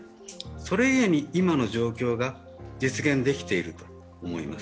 それがゆえに今の状況が実現できていると思います。